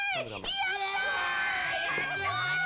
やったー！